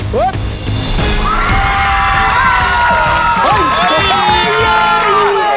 เฮ่ย